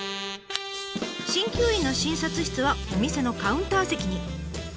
鍼灸院の診察室はお店のカウンター席に。